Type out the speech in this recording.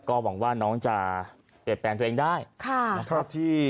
ก็หวังว่าน้องจะเปลี่ยนแปลงตัวเองได้นะครับ